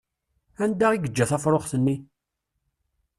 Anda i yeǧǧa tafṛuxt-nni?